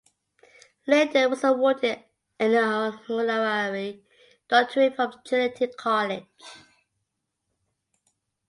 Leydon was awarded an honorary doctorate from Trinity College.